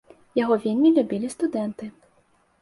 Яго вельмі любілі студэнты.